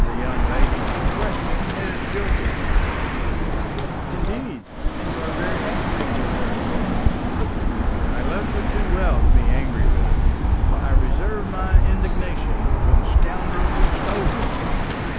"The young lady in question has jilted me." "Indeed! And you are very angry with her, of course?" "I loved her too well to be angry with her. I reserve my indignation for the scoundrel who stole her from me."